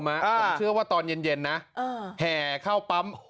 ผมเชื่อว่าตอนเย็นนะแห่เข้าปั๊ม